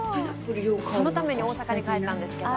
「そのために大阪に帰ったんですけど」